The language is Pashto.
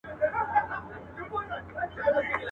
چي خبر سو جادوګرښارته راغلی.